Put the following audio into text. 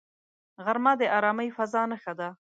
غرمه د آرامې فضاء نښه ده